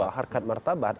marwa harkat martabat